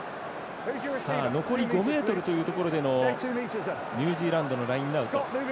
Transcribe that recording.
残り５ｍというところでのニュージーランドのラインアウト。